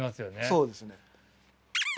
そうですね。